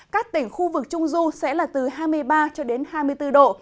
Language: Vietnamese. các tỉnh khu vực trung du sẽ là từ hai mươi ba hai mươi bốn độ